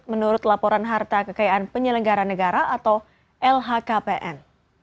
menurut laporan harta kekayaan penyelenggara negara atau lhkpn